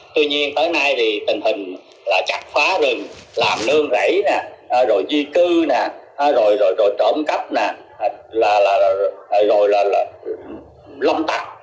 tuy nhiên tới nay thì tình hình là chặt phá rừng làm nương rẫy nè rồi di cư nè rồi trộm cắp nè